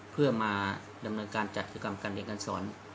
เพื่อมาดำเนินการจัดที่กรรมการโรงเรียนสลาน